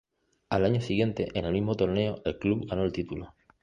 Al año siguiente, en el mismo torneo, el club ganó el título.